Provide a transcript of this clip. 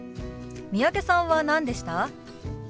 三宅さんは何でした？